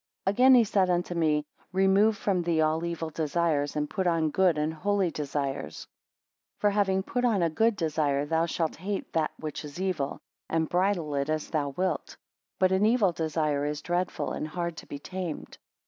AGAIN he said unto me; remove from thee all evil desires, and put on good and holy desires. For having put on a good desire, thou shalt hate that which is evil, and bridle it as thou wilt. But an evil desire is dreadful, and hard to be tamed.